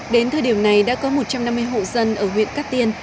đến thời điểm này đã có một trăm năm mươi hộ dân ở huyện cát tiên